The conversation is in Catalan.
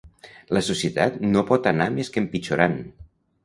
La societat no pot anar més que empitjorant.